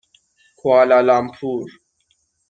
کوالالامپور